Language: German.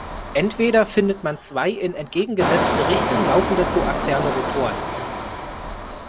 Entweder findet man zwei in entgegengesetzte Richtung laufende koaxiale Rotoren.